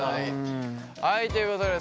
はいということでですね